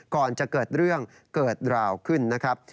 ก่อนจะเกิดเรื่องเกิดราวขึ้นนะครับ